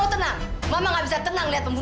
ayolah lara gak kasihan sama ibu